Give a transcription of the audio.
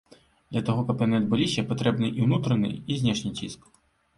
Для таго, каб яны адбыліся, патрэбны і ўнутраны, і знешні ціск.